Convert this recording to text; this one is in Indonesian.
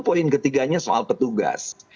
poin ketiganya soal petugas